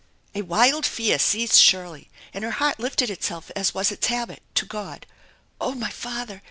A wild fear seized Shirley, and her heart lifted itself as was its habit, to God. " Oh, my Father